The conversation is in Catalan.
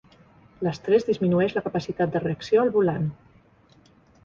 L'estrès disminueix la capacitat de reacció al volant.